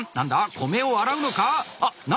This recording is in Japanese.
米を洗うのか？